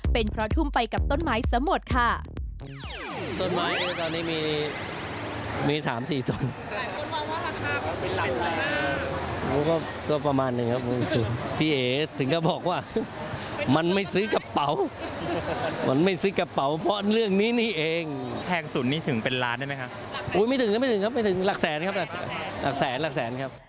เป็นเพราะทุ่มไปกับต้นไม้ซะหมดค่ะ